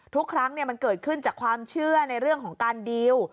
ทุกครั้งมันเกิดขึ้นจากความเชื่อในเรื่องของการดีล